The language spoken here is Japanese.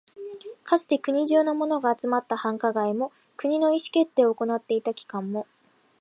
かつて国中のものが集まった繁華街も、国の意思決定を行っていた機関も、